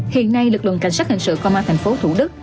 hiện nay lực lượng cảnh sát hình sự công an thành phố thủ đức